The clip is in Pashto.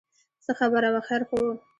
څه خبره وه خیر خو و.